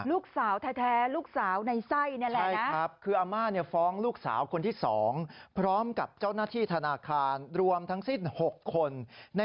ลูกสาวแท้ลูกสาวในไส้นี่แหละนะ